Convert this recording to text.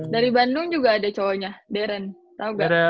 dari bandung juga ada cowoknya deren robert